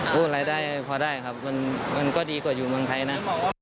พูดรายได้พอได้ครับมันก็ดีกว่าอยู่เมืองไทยนะ